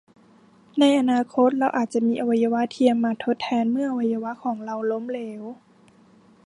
ในอนาคต เราอาจจะมีอวัยวะเทียมมาทดแทนเมื่ออวัยวะของเราล้มเหลว